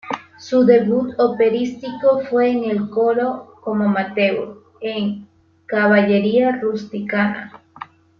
Su debut operístico fue en el coro, como amateur, en "Cavalleria rusticana".